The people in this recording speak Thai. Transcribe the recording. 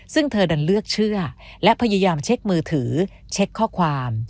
ซึ่งเธอดันเลือกเชื่อและพยายามเช็คมือถือเช็คข้อความ